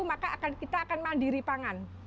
maka kita akan mandiri pangan